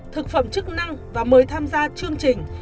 thực phẩm chức năng và mời tham gia chương trình